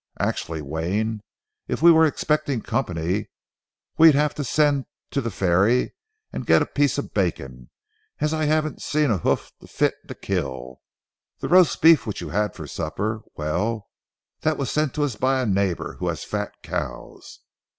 Actually, Wayne, if we were expecting company, we'd have to send to the ferry and get a piece of bacon, as I haven't seen a hoof fit to kill. That roast beef which you had for supper—well, that was sent us by a neighbor who has fat cows.